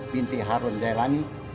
binti harun jailani